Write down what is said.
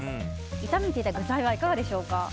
炒めていた具材はいかがでしょうか。